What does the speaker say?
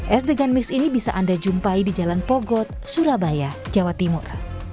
es dengan miss ini bisa anda jumpai di jalan pogot surabaya jawa timur